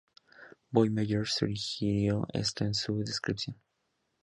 Von Meyer sugirió esto en su descripción.